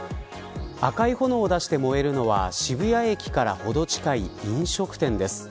赤い炎を出して燃えるのは渋谷駅からほど近い飲食店です。